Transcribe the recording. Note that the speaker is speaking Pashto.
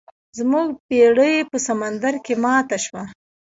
زموږ بیړۍ په سمندر کې ماته شوه.